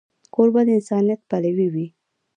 کوربه د انسانیت پلوی وي.